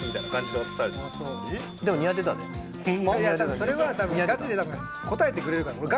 それは多分ガチで多分応えてくれるから。